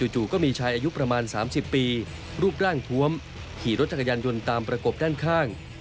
จู่ก็มีชายอายุประมาณ๓๐ปีรูปร่างทวมขี่รถจักรยานยนต์ตามประกบด้านข้าง